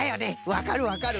わかるわかる。